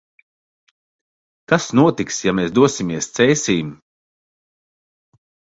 Kas notiks, ja mēs dosimies Cēsīm?